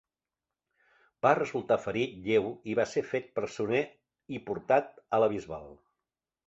Va resultar ferit lleu i va ser fet presoner, i portat a la Bisbal.